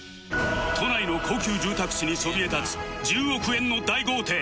都内の高級住宅地にそびえ立つ１０億円の大豪邸